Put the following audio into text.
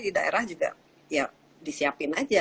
tapi di daerah juga ya disiapin saja